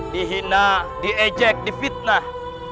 dihina diejek difitnah